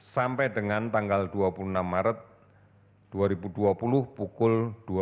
sampai dengan tanggal dua puluh enam maret dua ribu dua puluh pukul dua puluh